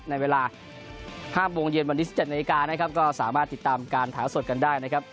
ในเวลา๕โมงเย็นวันที่๑๗นาฬิกานะครับก็สามารถติดตามการถ่ายสดกันได้นะครับ